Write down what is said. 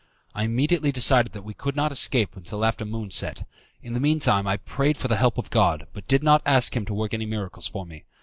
I immediately decided that we could not escape till after the moon set; in the mean time I prayed for the help of God, but did not ask Him to work any miracles for me.